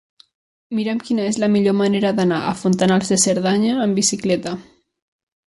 Mira'm quina és la millor manera d'anar a Fontanals de Cerdanya amb bicicleta.